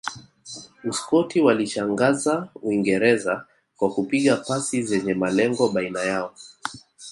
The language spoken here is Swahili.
Uskoti waliwashangaza uingereza kwa kupiga pasi zenye malengo baina yao